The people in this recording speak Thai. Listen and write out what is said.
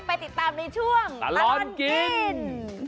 ไปติดตามในช่วงตลอดกิน